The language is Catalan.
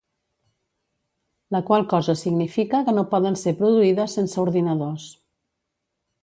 La qual cosa significa que no poden ser produïdes sense ordinadors.